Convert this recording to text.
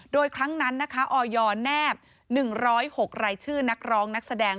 โดยครั้งนั้นนะคะออยแนบ๑๐๖รายชื่อนักร้องนักแสดง